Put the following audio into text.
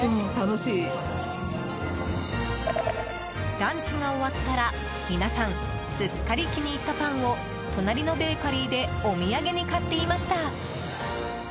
ランチが終わったら、皆さんすっかり気に入ったパンを隣のベーカリーでお土産に買っていました。